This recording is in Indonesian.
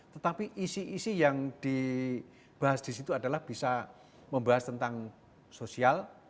tetapi isi isi yang dibahas di situ adalah bisa membahas tentang sosial